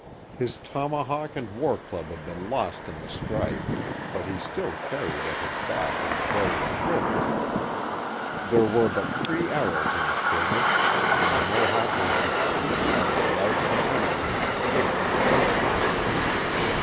His tomahawk and war club had been lost in the strife, but he still carried at his back his bow and quiver. There were but three arrows in the quiver, and the Mohawk was determined to have the life of an enemy in exchange for each of them.